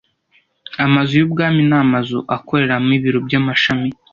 Amazu y Ubwami n amazu akoreramo ibiro by amashami